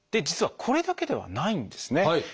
実はこれだけではないんですね。